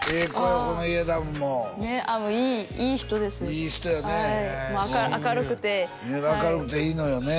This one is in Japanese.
このイェダムもねっいい人ですいい人やねはい明るくて明るくていいのよね